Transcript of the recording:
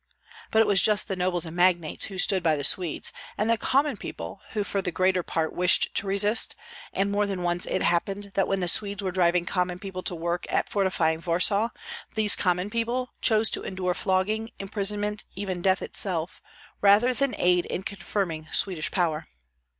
But it was just the nobles and magnates who stood by the Swedes, and the common people who for the greater part wished to resist; and more than once it happened that when the Swedes were driving common people to work at fortifying Warsaw, these common people chose to endure flogging, imprisonment, even death itself, rather than aid in confirming Swedish power.